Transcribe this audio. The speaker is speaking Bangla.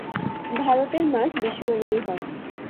ভারতের মাঠ বিশ্বমানেরই হয়।